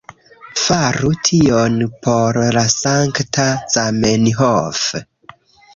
Faru tion por la sankta Zamenhof